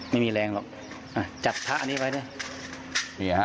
ไม่มีแรงหรอกจับพระอันนี้ไว้ดิ